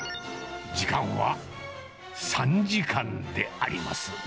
時間は３時間であります。